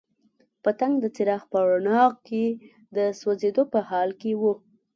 پتنګ د څراغ په رڼا کې د سوځېدو په حال کې وو.